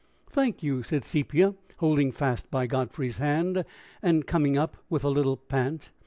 "Thank you," said Sepia, holding fast by Godfrey's hand, and coming up with a little pant.